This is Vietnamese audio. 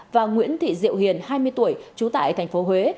và nguyễn thị diệu hiền hai mươi tuổi trú tại tp huế